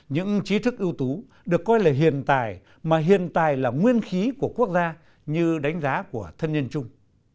những trí thức ưu tú được coi là hiện tài mà hiện tài là nguyên khí của quốc gia như đánh giá của thân nhân chung